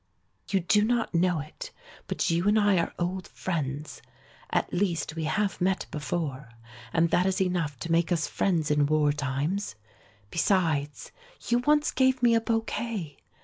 "You do not know it, but you and I are old friends. At least, we have met before, and that is enough to make us friends in war times. Besides, you once gave me a bouquet.